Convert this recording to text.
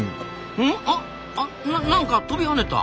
あっなんか跳びはねた！